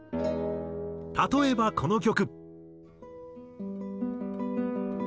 例えばこの曲。